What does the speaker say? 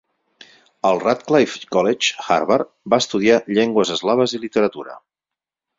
Al Radcliffe College, Harvard, va estudiar Llengües Eslaves i Literatura.